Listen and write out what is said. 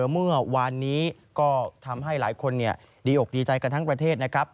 เมื่อวานนี้ก็ทำให้หลายคนดีอกดีใจกันทั้งประเทศนะครับ